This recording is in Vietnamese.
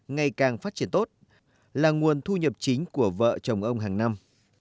ngày càng phát triển tốt là nguồn thu nhập chính của vợ chồng ông hàng năm